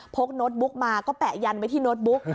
กโน้ตบุ๊กมาก็แปะยันไว้ที่โน้ตบุ๊ก